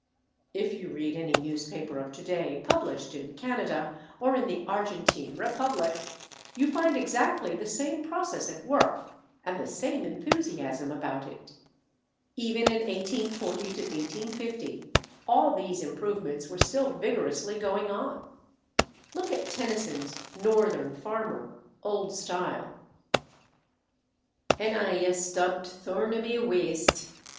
If you read any newspaper of to day published in Canada or in the Argentine Republic, you find exactly the same process at work, and the same enthusiasm about it. Even in 1840 1850 all these improvements were still vigorously going on. Look at Tennyson's Northern Farmer (old style): "'An I a stubb'd Thurnaby waäste.